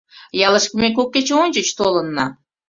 Ялышке ме кок кече ончыч толынна.